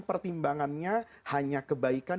pertimbangannya hanya kebaikan